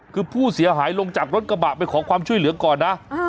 คือผู้เสียหายลงจากรถกระบะไปขอความช่วยเหลือก่อนนะ